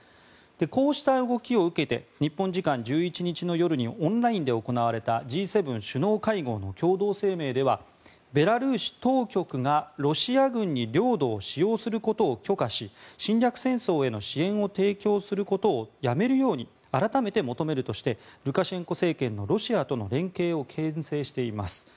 こうした動きを受けて日本時間１１日の夜にオンラインで行われたＧ７首脳会合の共同声明ではベラルーシ当局がロシア軍に領土を使用することを許可し侵略戦争への支援を提供することをやめるように改めて求めるとしてルカシェンコ政権とロシアとの連携をけん制しています。